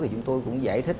chúng tôi cũng giải thích